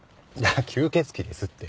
吸血鬼ですって。